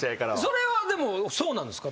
それはでもそうなんですか？